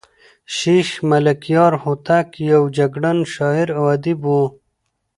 شېخ ملکیار هوتک یو جګړن شاعر او ادیب وو.